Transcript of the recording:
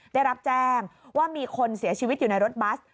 ได้รับแจ้งว่ามีคนเสียชีวิตอยู่ในรถบัส